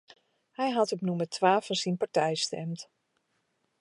Hy hat op nûmer twa fan syn partij stimd.